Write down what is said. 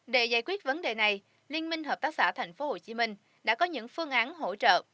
để giải quyết vấn đề này liên minh hợp tác xã thành phố hồ chí minh đã có những phương án hỗ trợ